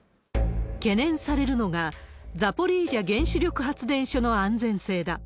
懸念されるのが、ザポリージャ原子力発電所の安全性だ。